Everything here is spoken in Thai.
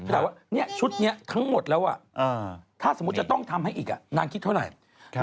ถามว่าชุดนี้ทั้งหมดแล้วถ้าสมมุติจะต้องทำให้อีกนางคิดเท่าไหร่